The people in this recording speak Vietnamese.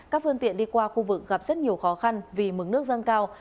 các phương tiện đi qua khu vực gặp rất nhiều khó khăn vì mức nước dâng cao